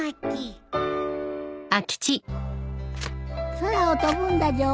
空を飛ぶんだじょ！